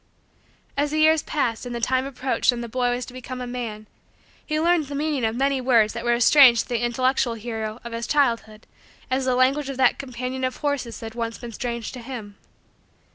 As the years passed and the time approached when the boy was to become a man, he learned the meaning of many words that were as strange to the intellectual hero of his childhood as the language of that companion of horses had once been strange to him.